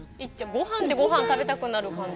ごはんでごはんを食べたくなる感じ。